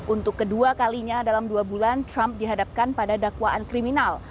untuk kedua kalinya dalam dua bulan trump dihadapkan pada dakwaan kriminal